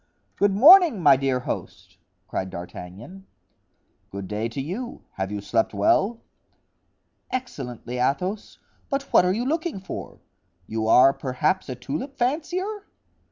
"Good morning, my dear host," cried D'Artagnan. "Good day to you; have you slept well?" "Excellently, Athos, but what are you looking for? You are perhaps a tulip fancier?"